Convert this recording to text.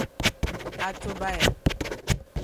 a chụba ya.